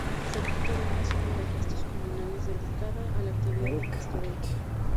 Se trata de una zona de pastos comunales dedicada a la actividad del pastoreo.